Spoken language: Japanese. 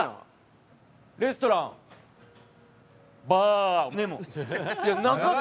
「レストランバーねも」